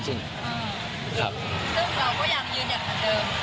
อือซึ่งเราก็อยากยืนอย่างเหมือนเดิม